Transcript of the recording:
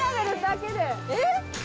えっ？